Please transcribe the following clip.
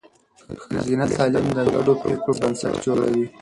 ښځینه تعلیم د ګډو پرېکړو بنسټ جوړوي.